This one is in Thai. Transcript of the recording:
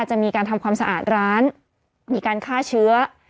จะมีการทำความสะอาดร้านมีการฆ่าเชื้อ